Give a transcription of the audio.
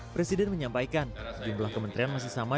presiden menyampaikan sejumlah kementerian masih sama